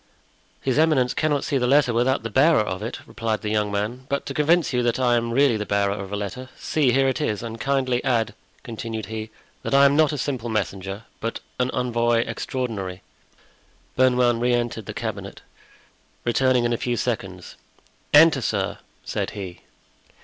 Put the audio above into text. "His eminence cannot see the letter without the bearer of it," replied the young man; "but to convince you that I am really the bearer of a letter, see, here it is; and kindly add," continued he, "that I am not a simple messenger, but an envoy extraordinary." Bernouin re entered the cabinet, returning in a few seconds. "Enter, sir," said he.